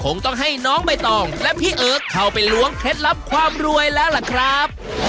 คงต้องให้น้องใบตองและพี่เอิร์กเข้าไปล้วงเคล็ดลับความรวยแล้วล่ะครับ